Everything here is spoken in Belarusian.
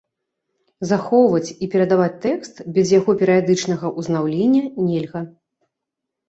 Захоўваць і перадаваць тэкст без яго перыядычнага ўзнаўлення нельга.